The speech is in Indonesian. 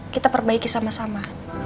kita perbaiki sama sama